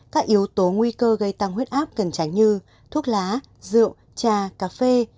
các yếu tố nguy cơ gây tăng huyết áp cần tránh như thuốc lá rượu trà cà phê